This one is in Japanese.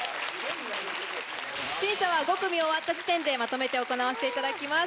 審査は５組終わった時点でまとめて行わせていただきます。